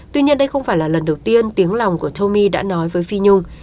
tuy nhiên đây không phải là lần đầu tiên tiếng lòng của tomi đã nói với phi nhung